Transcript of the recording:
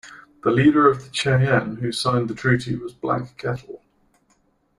The leader of the Cheyenne who signed the treaty was Black Kettle.